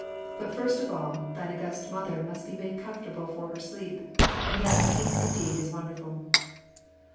But first of all, thine August Mother must be made comfortable for her sleep, and then the peace indeed is wonderful.